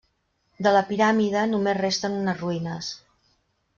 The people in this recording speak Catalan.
De la piràmide, només resten unes ruïnes.